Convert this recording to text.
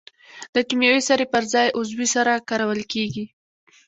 د کیمیاوي سرې پر ځای عضوي سره کارول کیږي.